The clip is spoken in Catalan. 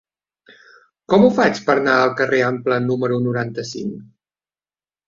Com ho faig per anar al carrer Ample número noranta-cinc?